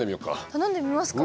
頼んでみますか？